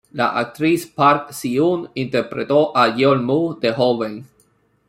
La actriz Park Si-eun interpretó a Yeol-mu de joven.